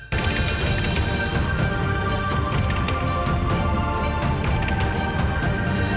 kami menghasilkan serta menghasilkan kekuasaan yang memperlukan kekuasaan